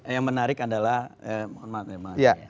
yang menarik adalah mohon maaf ya maaf ya